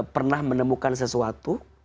pernah menemukan sesuatu